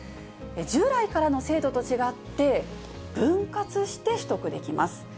従来からの制度と違って分割して取得できます。